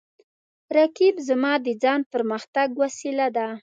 رقیب زما د ځان د پرمختګ وسیله ده